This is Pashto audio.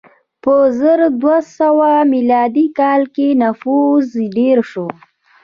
په زر دوه سوه میلادي کال کې نفوس ډېر شو.